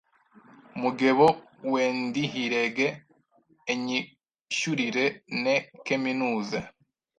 mugebo wendihirege enyishyurire ne keminuze